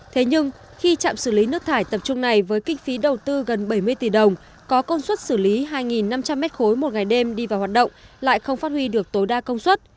thế nhưng khi trạm xử lý nước thải tập trung này với kinh phí đầu tư gần bảy mươi tỷ đồng có công suất xử lý hai năm trăm linh m ba một ngày đêm đi vào hoạt động lại không phát huy được tối đa công suất